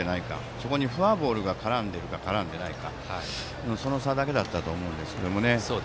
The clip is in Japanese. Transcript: そこにフォアボールが絡んでいるか絡んでいないかその差だけだったと思うんですが。